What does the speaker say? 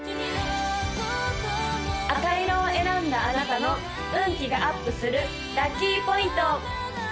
赤色を選んだあなたの運気がアップするラッキーポイント！